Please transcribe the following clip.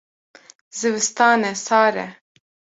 Zivistan e sar e.